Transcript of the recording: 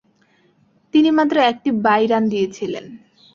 তিনি মাত্র একটি বাই রান দিয়েছিলেন।